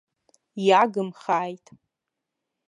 Иагымхааит!